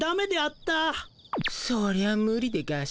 そりゃむりでガシ。